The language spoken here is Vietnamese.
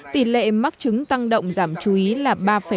tỷ lệ mắc chứng tăng động giảm chú ý là ba bốn